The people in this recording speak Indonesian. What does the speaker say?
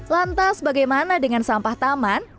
lantas bagaimana dengan sampah taman